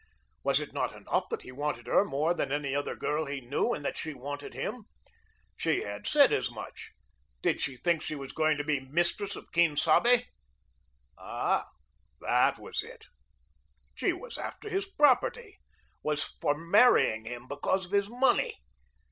Was it not enough that he wanted her more than any other girl he knew and that she wanted him? She had said as much. Did she think she was going to be mistress of Quien Sabe? Ah, that was it. She was after his property, was for marrying him because of his money.